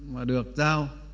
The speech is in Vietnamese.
mà được giao